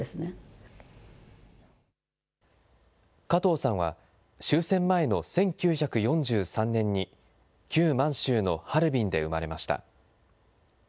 加藤さんは、終戦前の１９４３年に、旧満州のハルビンで生まれました。